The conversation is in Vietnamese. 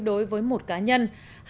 đối với một cá nhân